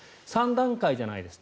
３段階じゃないです。